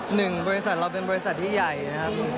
หนึ่งบริษัทเราเป็นบริษัทที่ใหญ่นะครับ